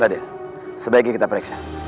raden sebaiknya kita periksa